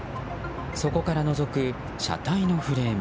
そこからのぞく車体のフレーム。